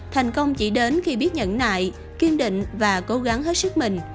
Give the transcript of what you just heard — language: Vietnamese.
thành công chỉ đến khi biết nhận nại kiên định và cố gắng hết sức mình